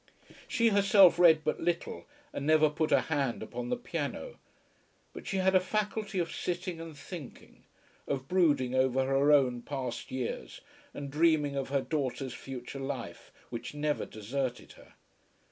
She herself read but little, and never put a hand upon the piano. But she had a faculty of sitting and thinking, of brooding over her own past years and dreaming of her daughter's future life, which never deserted her.